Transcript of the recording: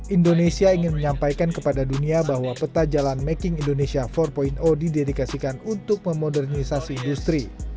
indonesia ingin menyampaikan kepada dunia bahwa peta jalan making indonesia empat didedikasikan untuk memodernisasi industri